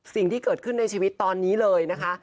สิ่งที่เกิดขึ้นในชีวิตตอนนี้เลยนะคะ